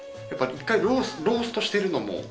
やっぱ１回ローストしてるのも？